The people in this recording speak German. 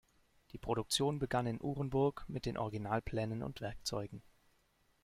Die Produktion begann in Orenburg mit den Originalplänen und -werkzeugen.